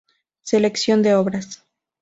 Selección de obras